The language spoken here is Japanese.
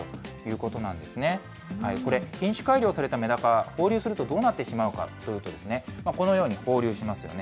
これ、品種改良されたメダカ、放流するとどうなってしまうかというと、このように放流しますよね。